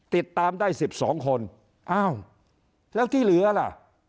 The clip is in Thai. ติดตามได้๑๒คนอ้าวแล้วที่เหลือล่ะ